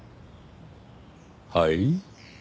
はい？